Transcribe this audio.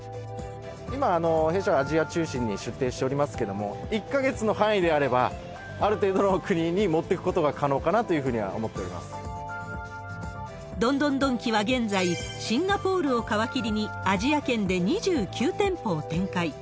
今、弊社はアジア中心に出店しておりますけれども、１か月の範囲であれば、ある程度の国に持っていくことは可能かなというふうに思っておりドンドンドンキは現在、シンガポールを皮切りに、アジア圏で２９店舗を展開。